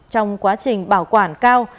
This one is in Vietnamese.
trong quá trình bảo quản cao